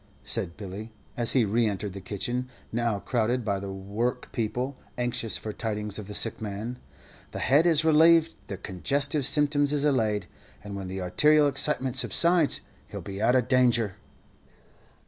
said Billy, as he re entered the kitchen, now crowded by the workpeople, anxious for tidings of the sick man. "The head is re leaved, the congestive symptoms is allayed, and when the artarial excitement subsides, he 'll be out of danger."